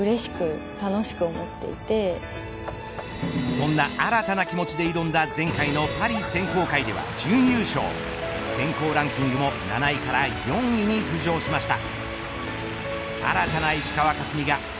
そんな新たな気持ちで挑んだ前回のパリ選考会令和準優勝選考ランキングも７位から４位に浮上しました。